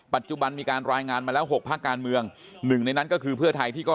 ปัจจุบันมีการรายงานมาแล้วหกภาคการเมืองหนึ่งในนั้นก็คือเพื่อไทยที่ก็